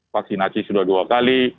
vaksinasi sudah dua kali